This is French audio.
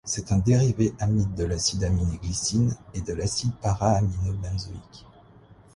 C'est un dérivé amide de l'acide aminé glycine et de l'acide para-aminobenzoïque.